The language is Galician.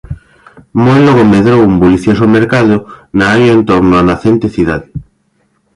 Moi logo medrou un bulicioso mercado na área en torno á nacente cidade.